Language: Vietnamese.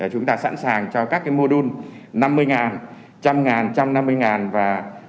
chúng ta sẵn sàng cho các mô đun năm mươi một trăm linh một trăm năm mươi và một